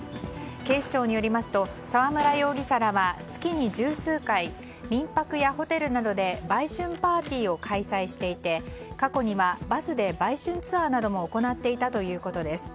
警視庁によりますと沢村容疑者らは月に十数回民泊やホテルなどで売春パーティーを開催していて過去にはバスで売春ツアーなども行っていたということです。